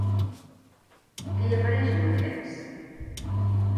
Què hi apareix en aquests?